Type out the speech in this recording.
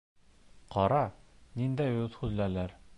Ҡара, ниндәй үҙһүҙлеләр.